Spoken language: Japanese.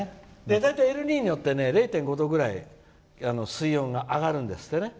大体、エルニーニョって０．５度くらい水温が上がるんですってね。